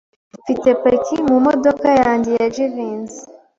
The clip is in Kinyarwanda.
Mfite paki mumodoka yanjye ya Jivency.